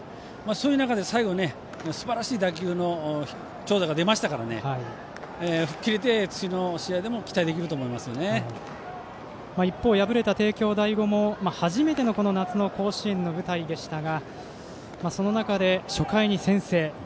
そういう中で最後すばらしい打球の長打が出ましたから吹っ切れて次の試合でも一方、敗れた帝京第五も初めての夏の甲子園の舞台でしたがその中で、初回に先制。